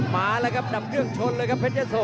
มาแล้วครับดับเครื่องชนเลยครับเพชรยะโส